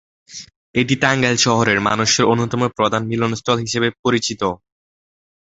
এটি টাঙ্গাইল শহরের মানুষের অন্যতম প্রধান মিলনস্থল হিসেবে পরিচিত।